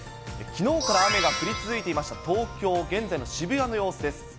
きのうから雨が降り続いていました東京、現在の渋谷の様子です。